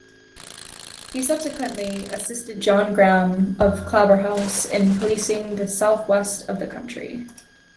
He subsequently assisted John Graham of Claverhouse in policing the south-west of the country.